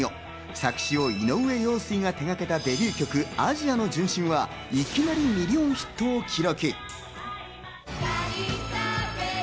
作詞を井上陽水が手がけたデビュー曲『アジアの純真』はいきなりミリオンヒットを記録。